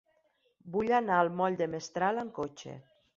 Vull anar al moll de Mestral amb cotxe.